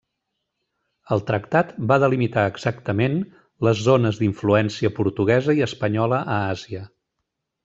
El tractat va delimitar exactament les zones d'influència portuguesa i espanyola a Àsia.